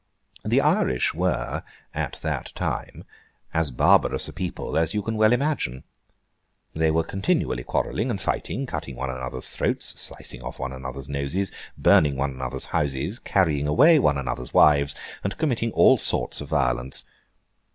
The Irish were, at that time, as barbarous a people as you can well imagine. They were continually quarrelling and fighting, cutting one another's throats, slicing one another's noses, burning one another's houses, carrying away one another's wives, and committing all sorts of violence.